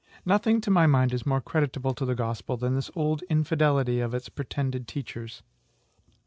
Nothing, to my mind, is more creditable to the Gospel than this old infidelity of its pretended teachers.